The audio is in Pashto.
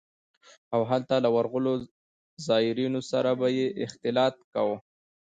او هلته له ورغلو زايرينو سره به يې اختلاط کاوه.